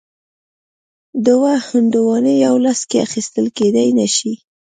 دوه هندواڼې یو لاس کې اخیستل کیدای نه شي.